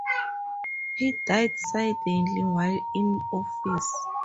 He died suddenly while in office.